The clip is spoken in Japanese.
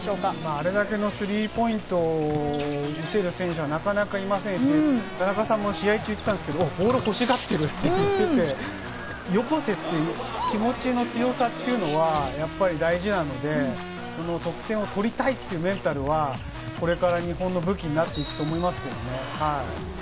あれだけのスリーポイントを打てる選手はなかなかいませんし、田中さんも試合中に言っていましたけど、ボールを欲しがってるって、よこせ！っていう気持ちの強さというのは大事なので、得点を取りたいというメンタルは、これから日本の武器になっていくと思いますけどね。